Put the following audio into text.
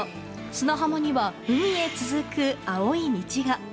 砂浜には海へ続く青い道が。